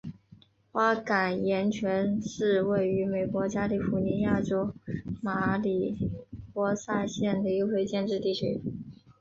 花岗岩泉是位于美国加利福尼亚州马里波萨县的一个非建制地区。